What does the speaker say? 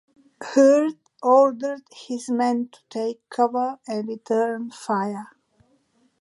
Heard ordered his men to take cover and return fire.